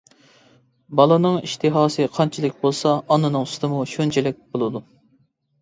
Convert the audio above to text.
بالىنىڭ ئىشتىھاسى قانچىلىك بولسا ئانىنىڭ سۈتىمۇ شۇنچىلىك بولىدۇ.